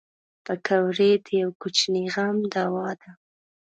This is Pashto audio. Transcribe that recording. پکورې د یوه کوچني غم دوا ده